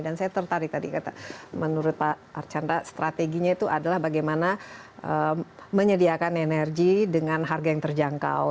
dan saya tertarik tadi kata menurut pak archandra strateginya itu adalah bagaimana menyediakan energi dengan harga yang terjangkau